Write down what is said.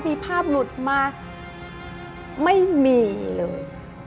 มีภาพหลุดมาไม่มีเลย